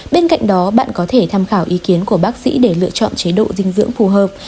bên cạnh đó bạn có thể tham khảo ý kiến của bác sĩ để lựa chọn chế độ dinh dưỡng phù hợp